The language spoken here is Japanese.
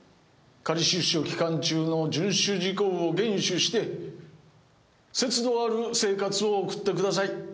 仮出所期間中の遵守事項を厳守して節度ある生活を送ってください。